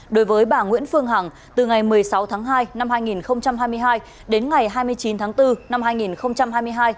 đối với bà nguyễn phương hằng từ ngày một mươi sáu tháng hai năm hai nghìn hai mươi hai đến ngày hai mươi chín tháng bốn năm hai nghìn hai mươi hai